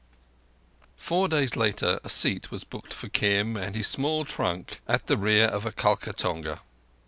Four days later a seat was booked for Kim and his small trunk at the rear of a Kalka tonga.